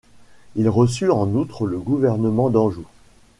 Il reçut en outre le gouvernement d'Anjou.